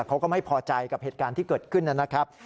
เขาก็ไม่พอใจกับเหตุการณ์ที่เกิดขึ้นนะครับ